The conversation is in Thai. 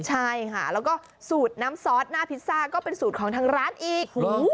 ใช่ค่ะแล้วก็สูตรน้ำซอสหน้าพิซซ่าก็เป็นสูตรของทางร้านอีก